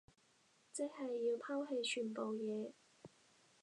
即係要拋棄全部嘢